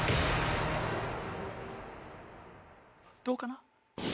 どうかな？